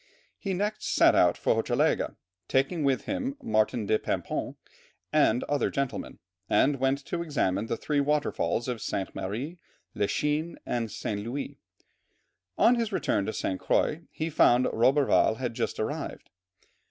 He next set out for Hochelaga, taking with him Martin de Paimpont and other gentlemen, and went to examine the three waterfalls of Sainte Marie, La Chine, and St. Louis; on his return to St. Croix, he found Roberval had just arrived.